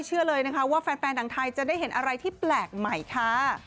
เชื่อเลยนะคะว่าแฟนหนังไทยจะได้เห็นอะไรที่แปลกใหม่ค่ะ